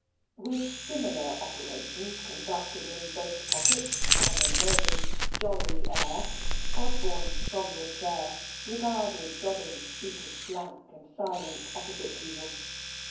With similar operations conducted in both pockets, and a knowing jolly air, Osborne from his chair regarded Dobbin seated blank and silent opposite to him.